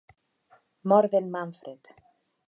Mort de"n Manfred.